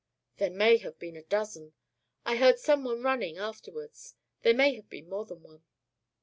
"There may have been a dozen. I heard some one running afterwards; there may have been more than one."